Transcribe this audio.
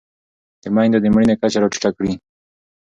د مېندو د مړینې کچه راټیټه کړئ.